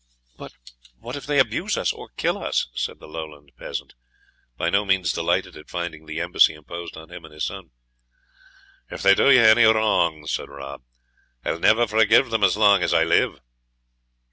"But what if they abuse us, or kill us?" said the Lowland, peasant, by no means delighted at finding the embassy imposed on him and his son. "If they do you any wrong," said Rob, "I will never forgive them as long as I live."